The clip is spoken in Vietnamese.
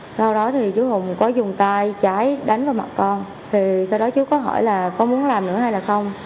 sau đó thì chú hùng có dùng tay trái đánh vào mặt con thì sau đó chú có hỏi là con muốn làm nữa hay là không